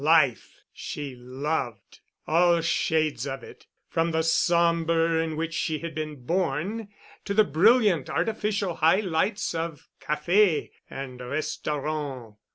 Life she loved, all shades of it, from the somber in which she had been born to the brilliant artificial high lights of café and restaurant.